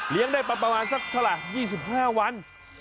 ได้ประมาณสักเท่าไหร่๒๕วัน